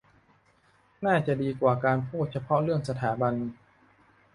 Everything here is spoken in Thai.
น่าจะดีกว่าการพูดเฉพาะเรื่องสถาบัน